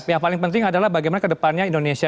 yang paling penting adalah bagaimana ke depannya indonesia